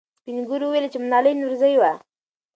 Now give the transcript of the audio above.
سپین ږیرو وویل چې ملالۍ نورزۍ وه.